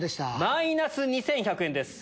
マイナス２１００円です。